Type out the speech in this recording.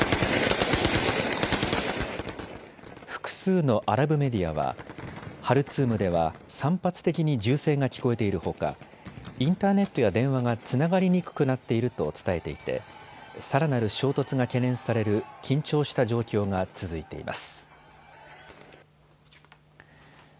複数のアラブメディアはハルツームでは散発的に銃声が聞こえているほかインターネットや電話がつながりにくくなっていると伝えていてさらなる衝突が懸念される緊張した状況が続いています。